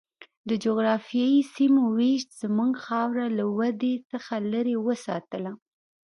د جغرافیایي سیمو وېش زموږ خاوره له ودې څخه لرې وساتله.